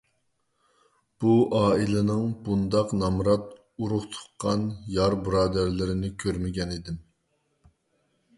بۇ ئائىلىنىڭ بۇنداق نامرات ئۇرۇق - تۇغقان، يار - بۇرادەرلىرىنى كۆرمىگەنىدىم.